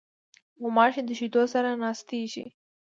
غوماشې د شیدو سره ناستېږي.